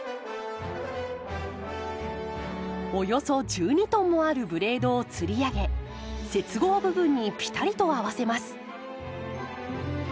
およそ１２トンもあるブレードをつり上げ接合部分にぴたりと合わせます。